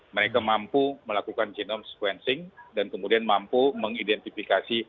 mereka mampu melakukan genome sequencing dan kemudian mampu mengidentifikasi